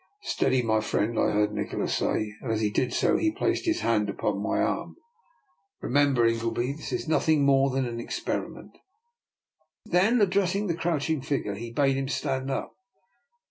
" Steady, my friend," I heard Nikola say, and as he did so he placed his hand upon my 266 DR. NIKOLA'S EXPERIMENT. arm. " Remember, Ingleby, this is nothing more than an experiment." Then addressing the crouching figure, he bade him stand up.